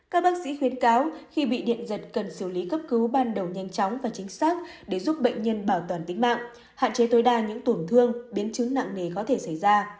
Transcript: các bác sĩ khuyến cáo khi bị điện giật cần xử lý cấp cứu ban đầu nhanh chóng và chính xác để giúp bệnh nhân bảo toàn tính mạng hạn chế tối đa những tổn thương biến chứng nặng nề có thể xảy ra